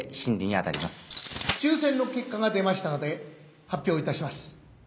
抽選の結果が出ましたので発表いたします。